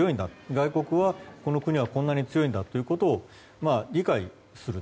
外国はこの国はこんなに強いんだということを理解する。